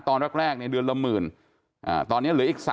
ตอนแรกเนี่ยเดือนละหมื่นตอนนี้เหลืออีก๓๐๐